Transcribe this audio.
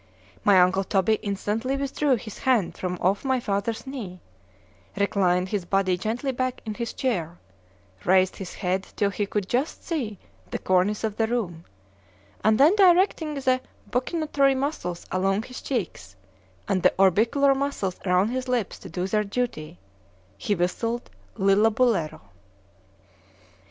——My uncle Toby instantly withdrew his hand from off my father's knee, reclined his body gently back in his chair, raised his head till he could just see the cornice of the room, and then directing the buccinatory muscles along his cheeks, and the orbicular muscles around his lips to do their duty—he whistled _Lillabullero.